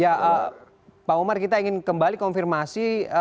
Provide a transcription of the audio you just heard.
ya pak umar kita ingin kembali konfirmasi